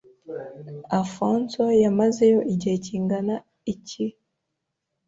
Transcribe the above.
Afonso yamazeyo igihe kingana iki?